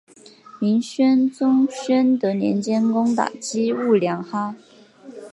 明宣宗宣德年间攻打击兀良哈。